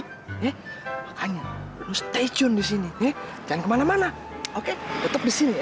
makanya lo stay tune di sini jangan kemana mana oke tetep di sini ya